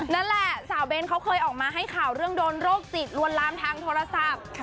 นั่นแหละสาวเบ้นเขาเคยออกมาให้ข่าวเรื่องโดนโรคจิตลวนลามทางโทรศัพท์